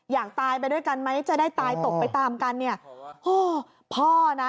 อยากตายไปด้วยกันไหมจะได้ตายตกไปตามกันเนี่ยพ่อพ่อนะ